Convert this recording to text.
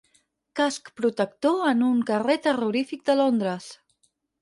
Casc protector en un carrer terrorífic de Londres.